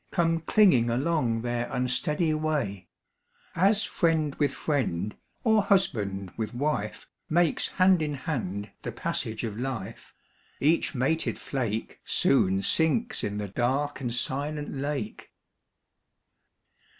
Come clinging along their unsteady way ; As friend with friend, or husband with wife, Makes hand in hand the passage of life : Each mated flake Soon sinks in the dark and silent lake.